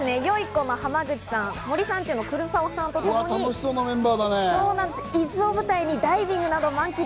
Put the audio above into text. この濱口さん、森三中の黒沢さんとともに、伊豆を舞台にダイビングなどを満喫。